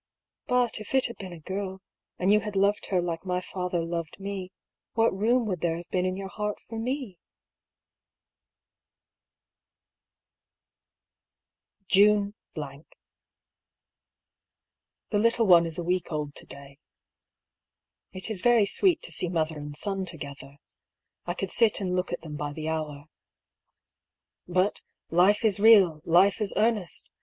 " But if it had been a girl, and you had loved her like my father loved me, what room would there have been in your heart for me ?" DIARY OF HUGH PAULL. I49 June —. The little one is a week old to day. It is very sweet to see mother and son together. I could sit and look at them by the hour. But " Life is real, life is earnest